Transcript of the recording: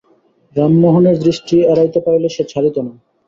রামমোহনের দৃষ্টি এড়াইতে পারিলে সে ছাড়িত না।